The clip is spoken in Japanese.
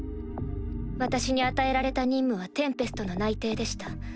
私に与えられた任務はテンペストの内偵でした。